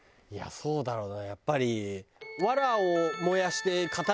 そうだろうね。